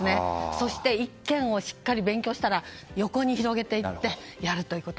そして１件をしっかり勉強したら横の広げていってやるということ。